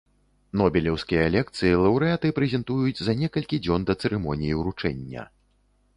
Нобелеўскія лекцыі лаўрэаты прэзентуюць за некалькі дзён да цырымоніі ўручэння.